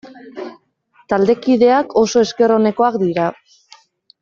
Taldekideak oso esker onekoak dira.